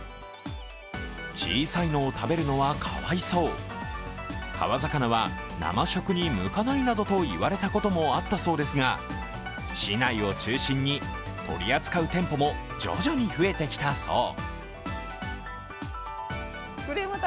小さいのを食べるのはかわいそう、川魚は生食に向かないなどと言われたこともあったそうですが、市内を中心に取り扱う店舗も徐々に増えてきたそう。